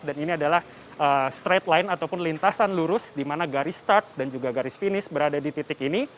dan ini adalah straight line ataupun lintasan lurus di mana garis start dan juga garis finish berada di titik ini